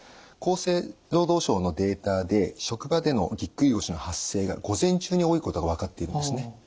厚生労働省のデータで職場でのぎっくり腰の発生が午前中に多いことが分かっていますね。